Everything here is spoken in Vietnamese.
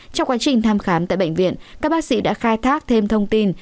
trong quá trình thăm khám tại bệnh viện các bác sĩ đã khai thác thêm thông tin